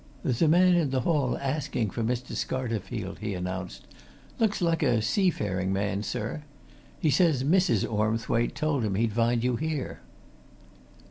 "There's a man in the hall asking for Mr. Scarterfield," he announced. "Looks like a seafaring man, sir. He says Mrs. Ormthwaite told him he'd find you here."